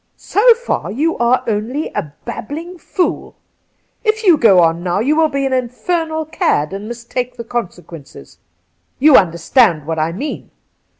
' So far you aye only a babbling fool. If you go on now you will be an infernal cad and must take the consequences. You understand what I mean.